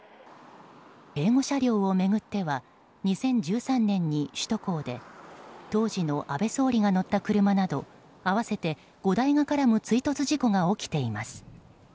警護車両を巡っては２０１３年に首都高で当時の安倍元総理が乗った車など合わせて５台が絡む追突事故が起きています。